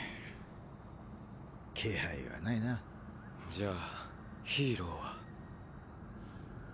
じゃあヒーローは。